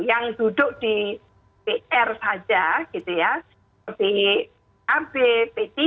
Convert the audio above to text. yang duduk di pr saja gitu ya seperti ab p tiga